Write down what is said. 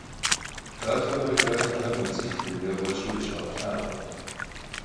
Tafexer kartexem vudzıfeu yê ğueju khışağelhağue.